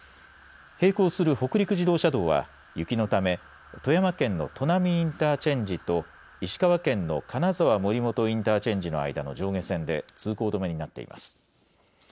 並行する北陸自動車道は雪のため富山県の砺波インターチェンジと石川県の金沢森本インターチェンジの間の上下線で通行止めになっています。